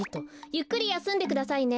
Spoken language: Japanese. ゆっくりやすんでくださいね。